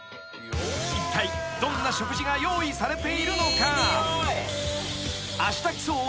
［いったいどんな食事が用意されているのか？］